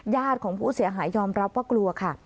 ของผู้เสียหายยอมรับว่ากลัวค่ะ